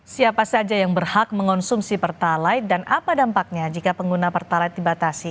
siapa saja yang berhak mengonsumsi pertalite dan apa dampaknya jika pengguna pertalite dibatasi